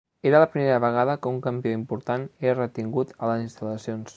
Era la primera vegada que un campió important era retingut a les instal·lacions.